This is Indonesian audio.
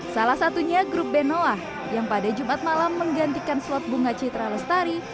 salah satunya grup benoa yang pada jumat malam menggantikan slot bunga citra lestari